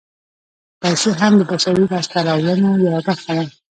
پیسې هم د بشري لاسته راوړنو یوه برخه ده